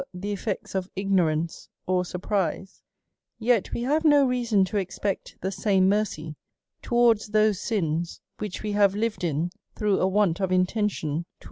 ^^ ^^the effects of ignorance or surprise ; yet we have no ""6*^7' '^'t'^^son to expect the same mercy towards those sins f4^ ' which we have lived in through a vvant of intention to